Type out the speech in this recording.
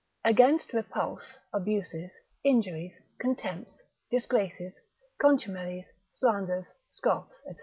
_Against Repulse, Abuses, Injuries, Contempts, Disgraces, Contumelies, Slanders, Scoffs, &c.